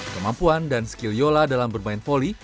kemampuan dan skill yola dalam bermain volley